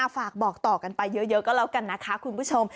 ฝากบอกต่อกันไปเยอะก็แล้วกันนะคะคุณผู้ชม